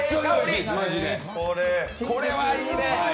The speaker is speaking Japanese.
これはいいね！